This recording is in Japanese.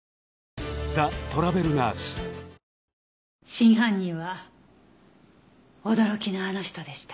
真犯人は驚きのあの人でした。